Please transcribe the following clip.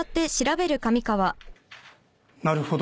なるほど。